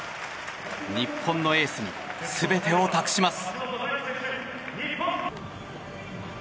日本のエースに全てを託します。